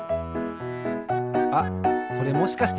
あっそれもしかして？